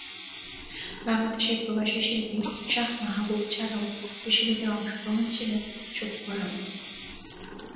বাংলাদেশের প্রবাসী শিল্পী শাহ মাহাবুব ছাড়াও কৃষিবিদের অংশগ্রহণ ছিল চোখে পড়ার মতো।